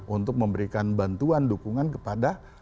untuk memberikan bantuan dukungan kepada